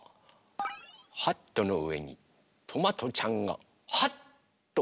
ハットのうえにトマトちゃんがハッとのりました。